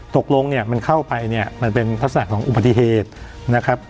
ตกลงมันเข้าไปมันเป็นพัฒนาของอุบัติเหตุนะครับ